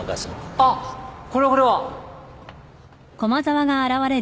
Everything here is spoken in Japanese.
・あっこれはこれは。